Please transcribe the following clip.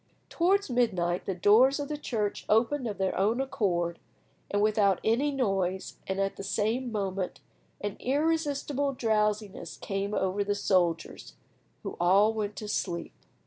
Towards midnight the doors of the church opened of their own accord and without any noise, and, at the same moment, an irresistible drowsiness came over the soldiers, who all went to sleep.